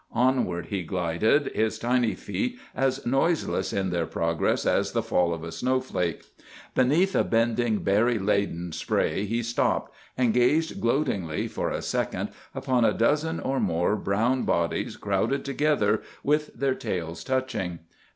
Onward he glided, his tiny feet as noiseless in their progress as the fall of a snowflake. Beneath a bending, berry laden spray he stopped, and gazed gloatingly for a second upon a dozen or more brown bodies crowded together with their tails touching.